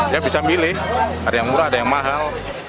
dia bisa milih ada yang murah ada yang mahal